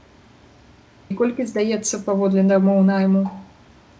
І колькі здаецца паводле дамоў найму?